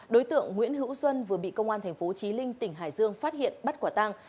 đối tượng nguyễn hữu xuân vừa bị công an tp chí linh tỉnh hải dương phát hiện bắt quả tăng